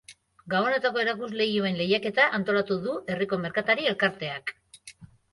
Gabonetako erakusleihoen lehiaketa antolatu du herriko merkatari elkarteak.